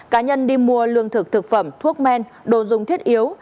cá nhân đi mua lương thực thực phẩm thuốc men đồ dùng thiết yếu